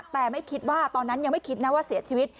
แต่ไม่คิดว่าตอนนั้นยังไม่คิดนะว่าเสียชีวิต